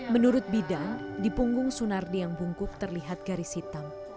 menurut bidan di punggung sunardi yang bungkuk terlihat garis hitam